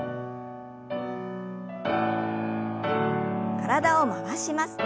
体を回します。